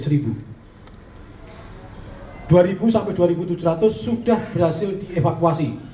dua sampai dua tujuh ratus sudah berhasil dievakuasi